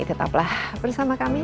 tetaplah bersama kami